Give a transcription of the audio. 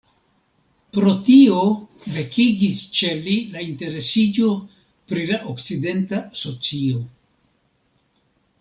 Pro tio vekiĝis ĉe li la interesiĝo pri la okcidenta socio.